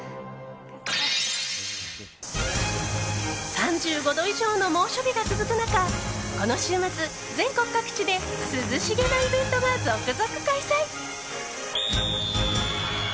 ３５度以上の猛暑日が続く中この週末、全国各地で涼しげなイベントが続々開催。